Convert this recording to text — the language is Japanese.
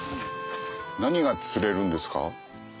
何が釣れるんですか？